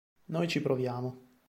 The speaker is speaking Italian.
Noi ci proviamo.